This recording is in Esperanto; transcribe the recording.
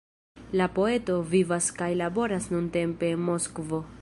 La poeto vivas kaj laboras nuntempe en Moskvo.